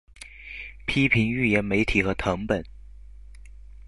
批评预言媒体和誊本